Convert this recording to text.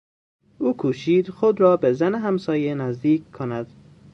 او کوشید خود را به زن همسایه نزدیک کند.